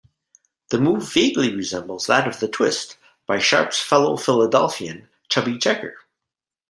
The move vaguely resembles that of the twist, by Sharp's fellow Philadelphian Chubby Checker.